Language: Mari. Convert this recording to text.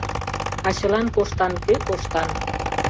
Качылан коштан, кӧ коштан? -